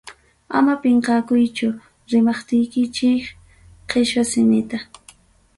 Ama pinqakuychu rimachikichik quechua simita.